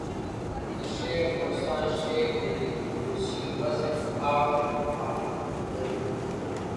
د شېخ بُستان شعر ملي اولسي وزن او آهنګ لري.